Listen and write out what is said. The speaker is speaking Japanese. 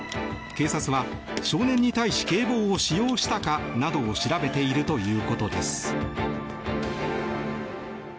警察は少年に対し警棒を使用したかなどを調べているということです。